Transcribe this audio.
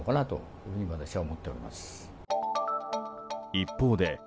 一方で。